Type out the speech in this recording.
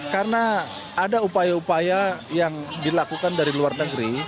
karena ada upaya upaya yang dilakukan dari luar negeri